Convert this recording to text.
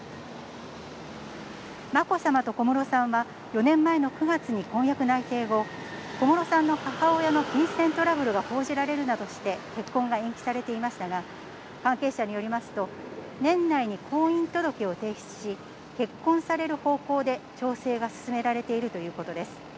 まこさまと小室さんは４年前の９月に婚約内定後、小室さんの母親の金銭トラブルが報じられるなどして、結婚は延期されていましたが、関係者によりますと、年内に婚姻届を提出し、結婚される方向で調整が進められているということです。